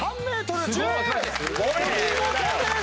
お見事です！